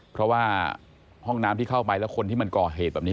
เพราะว่าห้องน้ำที่เข้าไปแล้วคนที่มันก่อเหตุแบบนี้